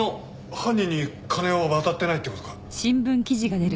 犯人に金は渡ってないって事か。